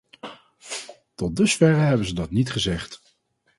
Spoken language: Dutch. Tot dusverre hebben ze dat niet gezegd.